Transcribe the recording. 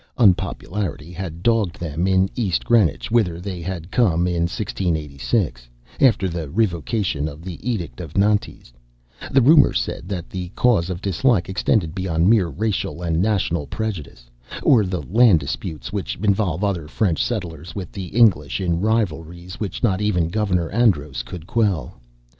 Unpopularity had dogged them in East Greenwich, whither they had come in 1686, after the revocation of the Edict of Nantes, and rumor said that the cause of dislike extended beyond mere racial and national prejudice, or the land disputes which involved other French settlers with the English in rivalries which not even Governor Andros could quell.